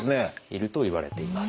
いるといわれています。